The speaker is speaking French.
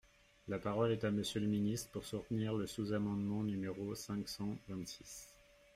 La parole est à Monsieur le ministre, pour soutenir le sous-amendement numéro cinq cent vingt-six.